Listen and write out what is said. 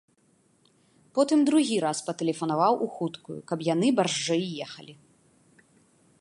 Потым другі раз патэлефанаваў у хуткую, каб яны барзджэй ехалі.